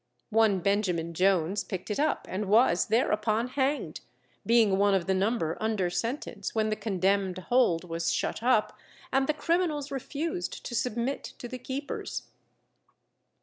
One Benjamin Jones picked it up and was thereupon hanged, being one of the number under sentence when the Condemned Hold was shut up, and the criminals refused to submit to the keepers.